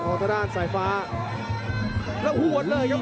พยายามจะไถ่หน้านี่ครับการต้องเตือนเลยครับ